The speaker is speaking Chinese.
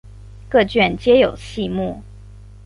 各卷皆有细目。